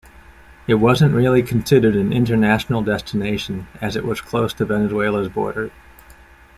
It wasn't really considered an international destination as it was close to Venezuela's border.